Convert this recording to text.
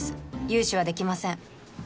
融資はできません